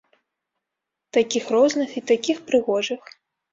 Такіх розных і такіх прыгожых.